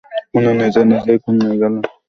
উনি নিজে নিজেই খুলনায় গেলেন।